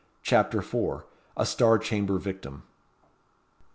CHAPTER IV. A Star Chamber victim.